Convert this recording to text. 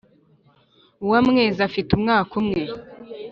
uwamwezi afite umwaka umwe